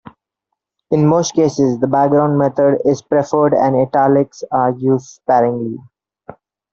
In most cases, the background method is preferred and italics are used sparingly.